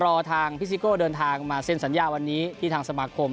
รอทางพี่ซิโก้เดินทางมาเซ็นสัญญาวันนี้ที่ทางสมาคม